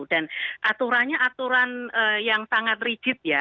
dan aturannya aturan yang sangat rigid ya